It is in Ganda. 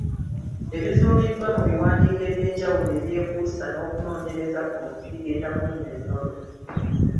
Ebizuuliddwa mu biwandiiko eby’enjawulo ebyekuusa n’okunoonyereza kuno bigenda kunnyonnyolwa.